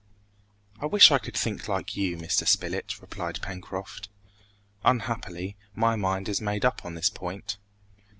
"I wish I could think like you, Mr. Spilett," replied Pencroft; "unhappily, my mind is made up on this point."